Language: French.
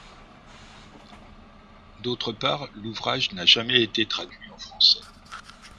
D'autre part, l'ouvrage n'a jamais été traduit en français.